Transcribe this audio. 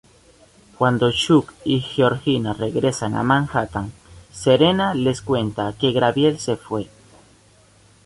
Cuando Chuck y Georgina regresan a Manhattan, Serena les cuenta que Gabriel se fue.